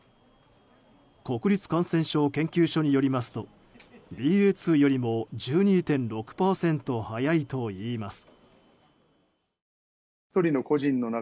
国立感染症研究所によりますとＢＡ．２よりも１２．６％速いといいます。